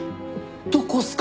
どこっすか？